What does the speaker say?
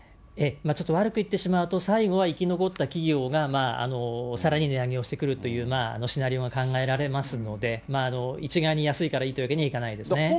ええ、ちょっと悪く言ってしまうと、最後は生き残った企業がさらに値上げをしてくるというシナリオが考えられますので、一概に安いからいいというわけにはいかないですね。